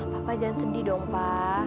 papa jangan sedih dong pak